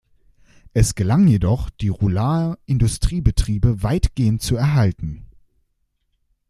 Es gelang jedoch, die Ruhlaer Industriebetriebe weitgehend zu erhalten.